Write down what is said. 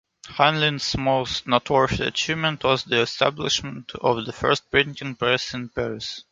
Heynlin's most noteworthy achievement was the establishment of the first printing-press in Paris.